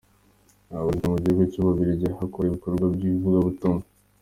Aba abarizwa mu gihugu cy’u Bubiligi aho akora ibikorwa by’ivugabutumwa.